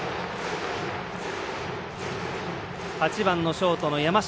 ８番ショートの山下。